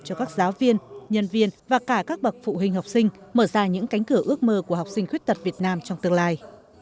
cho các giáo viên nhân viên và cả các bậc phụ huynh học sinh mở ra những cánh cửa ước mơ của học sinh khuyết tật việt nam trong tương lai